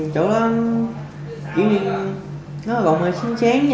chỗ đó còn hơi xinh xén